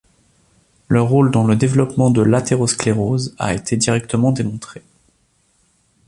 Leur rôle dans le développement de l'athérosclérose a été directement démontré.